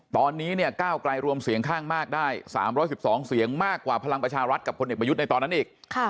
ตอนนี้เนี่ยก้าวไกลรวมเสียงข้างมากได้๓๑๒เสียงมากกว่าพลังประชารัฐกับพลเอกประยุทธ์ในตอนนั้นอีก